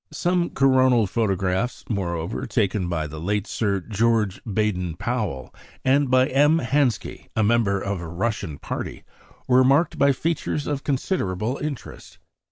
Some coronal photographs, moreover, taken by the late Sir George Baden Powell and by M. Hansky, a member of a Russian party, were marked by features of considerable interest.